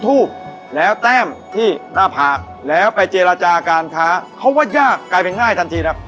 ทูบแล้วแต้มที่หน้าผากแล้วไปเจรจาการค้าเขาว่ายากกลายเป็นง่ายทันทีนะ